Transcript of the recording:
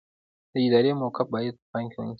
د ادارې موقف باید په پام کې ونیسئ.